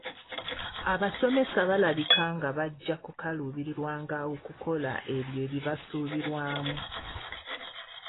Abasomesa balabika nga bajja kukaluubirirwanga okukola ebyo ebibasuubirwamu.